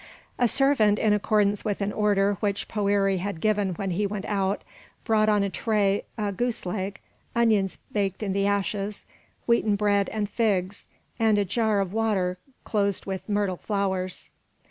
A servant, in accordance with an order which Poëri had given when he went out, brought on a tray a goose leg, onions baked in the ashes, wheaten bread and figs, and a jar of water closed with myrtle flowers.